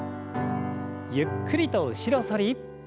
ゆっくりと後ろ反り。